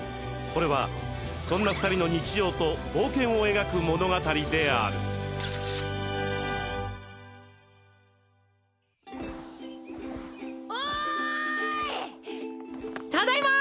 これはそんな２人の日常と冒険を描く物語であるおい！